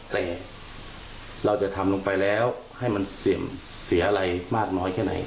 แต่เราจะทำลงไปแล้วให้มันเสื่อมเสียอะไรมากน้อยแค่ไหน